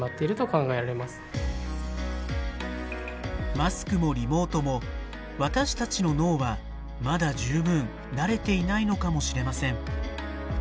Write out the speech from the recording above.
マスクもリモートも私たちの脳はまだ十分慣れていないのかもしれません。